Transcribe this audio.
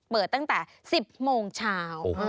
เปิดตั้งแต่๑๐โมงเช้า